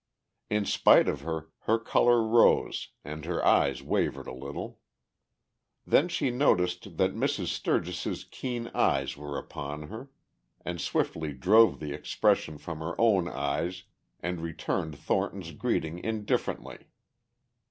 In spite of her, her color rose and her eyes wavered a little. Then she noticed that Mrs. Sturgis's keen eyes were upon her, and swiftly drove the expression from her own eyes and returned Thornton's greeting indifferently.